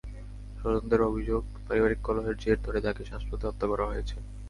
স্বজনদের অভিযোগ, পারিবারিক কলহের জের ধরে তাঁকে শ্বাসরোধে হত্যা করা হয়েছে।